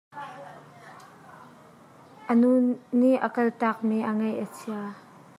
A nu nih a kal tak mi a ngaih a chia.